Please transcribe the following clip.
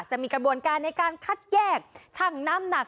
จะมีกระบวนการในการคัดแยกช่างน้ำหนัก